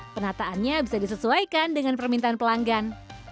penataannya bisa disesuaikan dengan permintaan pelanggan